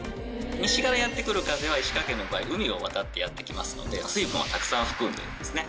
西からやってくる風は石川県の場合海を渡ってやってきますので水分をたくさん含んでいますね